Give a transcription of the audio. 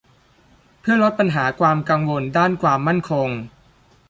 เพื่อลดปัญหาความกังวลด้านความมั่นคง